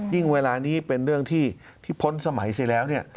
ยิ่งเวลานี้เป็นเรื่องที่พ้นสมัยเสร็จแล้ว